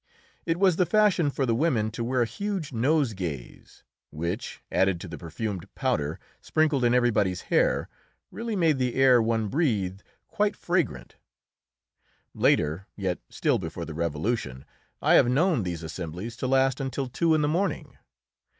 It was the fashion for the women to wear huge nosegays, which, added to the perfumed powder sprinkled in everybody's hair, really made the air one breathed quite fragrant. Later, yet still before the Revolution, I have known these assemblies to last until two in the morning.